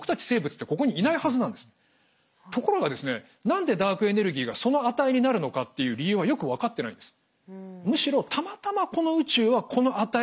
何でダークエネルギーがその値になるのかっていう理由はよく分かってないんです。